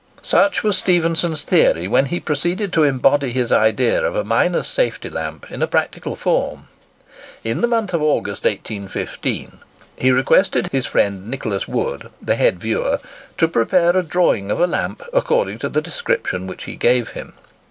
Such was Stephenson's theory when he proceeded to embody his idea of a miner's safety lamp in a practical form. In the month of August, 1815, he requested his friend Nicholas Wood, the head viewer, to prepare a drawing of a lamp according to the description which he gave him.